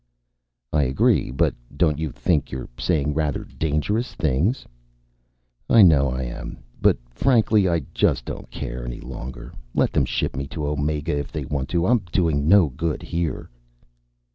"I agree. But don't you think you're saying rather dangerous things?" "I know I am. But frankly, I just don't care any longer. Let them ship me to Omega if they want to. I'm doing no good here."